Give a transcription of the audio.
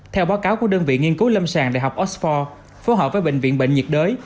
theo báo cáo của đơn vị nghiên cứu lâm sàng đại học oxfor phối hợp với bệnh viện bệnh nhiệt đới